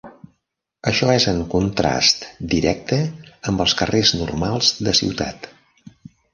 Això és en contrast directe amb els carrers normals de ciutat.